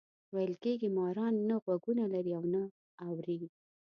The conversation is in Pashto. ویل کېږي ماران نه غوږونه لري او نه اوري.